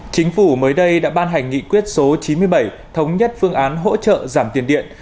chính phủ mới đây đã ban hành nghị quyết số chín mươi bảy thống nhất phương án hỗ trợ giảm tiền điện